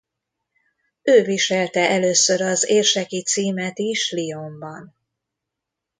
Ő viselte először az érseki címet is Lyonban.